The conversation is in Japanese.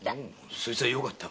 そいつはよかった。